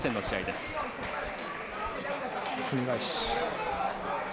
すみ返し。